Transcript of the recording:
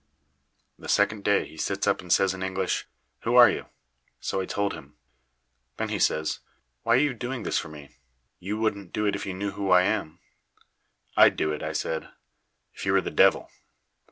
The second day he sits up and says in English: "Who are you?" So I told him. Then he says: "Why are you doing this for me? You wouldn't do it if you knew who I am." "I'd do it," I said, "if you were the devil."